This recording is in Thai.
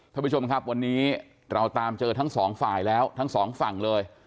ท่านผู้ชมครับวันนี้เราตามเจอทั้งสองฝ่ายแล้วทั้งสองฝั่งเลย